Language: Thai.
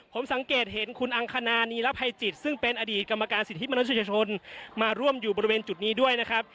ผมสังเกตเห็นคุณอังคณานีรภัยจิตซึ่งเป็นอดีตกรรมการสิทธิมนุษยชนมาร่วมอยู่บริเวณจุดนี้ด้วยนะครับ